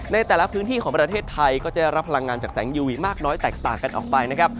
ในแต่ละพื้นที่ของประเทศไทยก็จะได้รับพลังงานจากแสงยูวิมากน้อยแตกต่างกันออกไปนะครับ